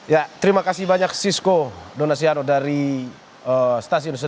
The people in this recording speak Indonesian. ya terima kasih banyak sisko dona siarro dari stasiun senen